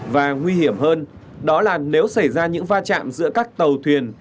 và nguy hiểm hơn đó là nếu xảy ra những va chạm giữa các tàu thuyền